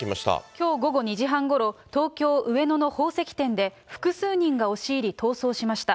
きょう午後２時半ごろ、東京・上野の宝石店で、複数人が押し入り、逃走しました。